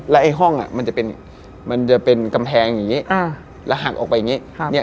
แล้วไอ้ห้องอะมันจะเป็นกำแพงอย่างนี้แล้วหักออกไปอย่างนี้